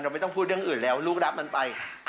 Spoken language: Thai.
ไม่ต้องพูดเรื่องอื่นแล้วลูกรับมันไป